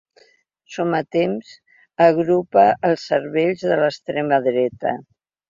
Somatemps agrupa els cervells de l’extrema dreta.